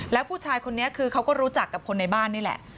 แล้วผู้ชายคนนี้คือเขาก็รู้จักกับคนในบ้านนี่แหละ